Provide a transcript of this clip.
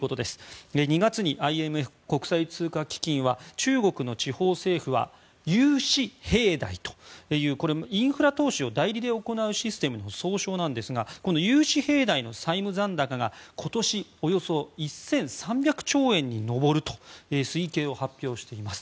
２月にＩＭＦ・国際通貨基金は中国の地方政府は融資平台というこれはインフラ投資を代理で行うシステムの総称なんですがこの融資平台の債務残高が今年およそ１３００兆円に上ると推計を発表しています。